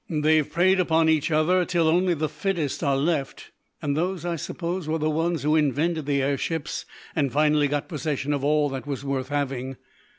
"They've preyed upon each other till only the fittest are left, and those, I suppose, were the ones who invented the air ships and finally got possession of all that was worth having.